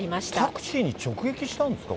タクシーに直撃したんですか？